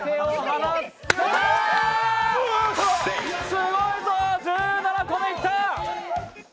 すごいぞ、１７個目いった！